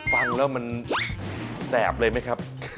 ฟังแล้วมันแสบเลยไหมครับ